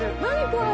これ！